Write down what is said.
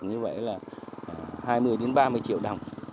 như vậy là hai mươi ba mươi triệu đồng